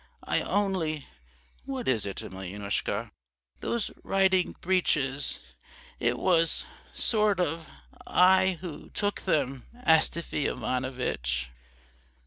"'I only ' "'What is it, Emelyanoushka?' "'Those riding breeches it was sort of I who took them Astafy Ivanovitch.'